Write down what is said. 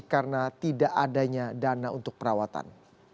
karena tidak adanya dana untuk perawatan